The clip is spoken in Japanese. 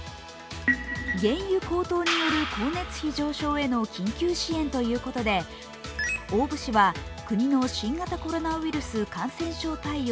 原油高騰による光熱費上昇への緊急支援ということで大府市は国の新型コロナウイルス感染症対応